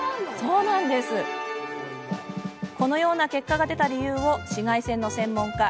このような結果が出た理由を紫外線の専門家